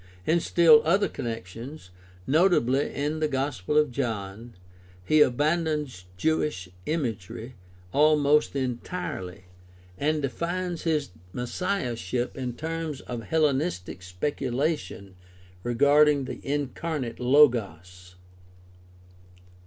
In still other connections, notably in the Gospel of John, he abandons Jewish imagery almost entirely and defines his messiahship in terms of Hellenistic speculation regarding the incarnate Logos.